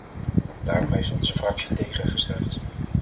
Daarom heeft onze fractie tegengestemd.